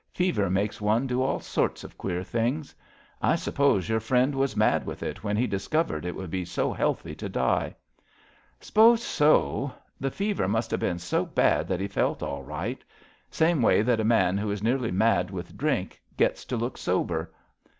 Fever makes one do all sorts of queer things. I suppose your friend was mad with it when he discovered it would be so healthy to die." ^* S'pose so. The fever must have been so bad that he felt all right — same way that a man who is nearly mad with drink gets to look sober.